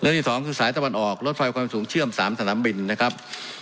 เรื่องที่สองสัยตะวันออกรถไฟความสูงเชื่อมสามสถานามบินนะครับ